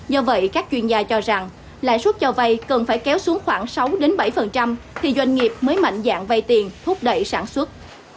do vậy các chuyên gia cho rằng lãi suất cho vay cần phải kéo xuống khoảng sáu bảy thì doanh nghiệp mới mạnh dạng vay tiền thúc đẩy sản xuất